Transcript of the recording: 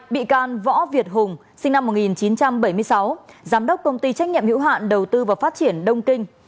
bị can võ việt hùng sinh năm một nghìn chín trăm bảy mươi sáu giám đốc công ty trách nhiệm hữu hạn đầu tư và phát triển đông kinh